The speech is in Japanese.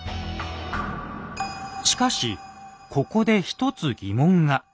しかしここで１つ疑問が。